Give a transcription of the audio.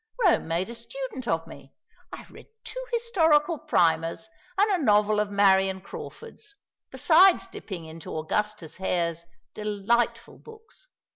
Rome made a student of me. I read two historical primers, and a novel of Marion Crawford's; besides dipping into Augustus Hare's delightful books.